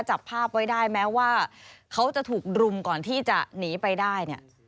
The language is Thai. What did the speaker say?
จับภาพไว้ได้แม้ว่าเขาจะถูกรุมก่อนที่จะหนีไปได้เนี่ย